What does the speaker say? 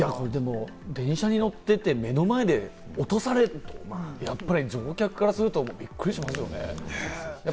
電車に乗ってて目の前で落とされたら、乗客からしたらびっくりしますよね。